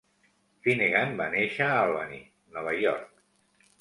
Finnegan va néixer a Albany, Nova York.